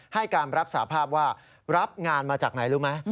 ให้การรับสาภาพว่ารับงานมาจากไหนรู้ไหม